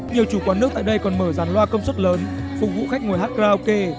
nhiều chủ quán nước tại đây còn mở rán loa công suất lớn phục vụ khách ngồi hát karaoke